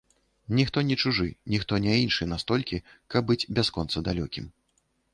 Ніхто не чужы, ніхто не іншы настолькі, каб быць бясконца далёкім.